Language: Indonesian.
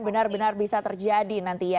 benar benar bisa terjadi nanti ya